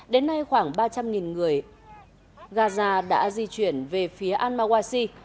đến nay khoảng ba trăm linh người gaza đã di chuyển về phía al mawasi